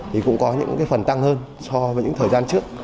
thì cũng có những cái phần tăng hơn so với những thời gian trước